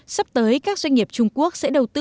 sắp tới các doanh nghiệp trung quốc sẽ đầu tư